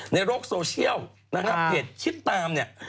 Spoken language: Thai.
ในโลกโซเชียลนะครับเพจคิดตามเนี่ย